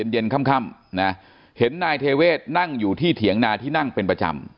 เย็นค่ำนะเห็นนายเทเวศนั่งอยู่ที่เถียงนาที่นั่งเป็นประจำ